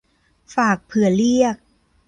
ฝากเผื่อเรียก